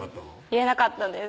言えなかったんです